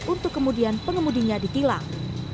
untuk kemudian pengemudinya dikilang